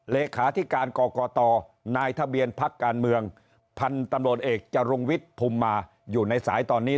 เลขาธิการกรกตนายทะเบียนพักการเมืองพันธุ์ตำรวจเอกจรุงวิทย์ภูมิมาอยู่ในสายตอนนี้